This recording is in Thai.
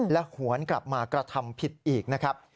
หวนกลับมากระทำผิดอีกนะครับ